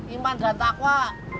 iman dan takwa